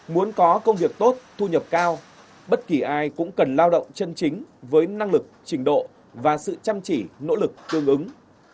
muốn có công việc tốt thu nhập cao bất kỳ ai cũng cần lao động chân chính với năng lực trình độ và sự chăm chỉ nỗ lực tương ứng